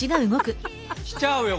きちゃうよ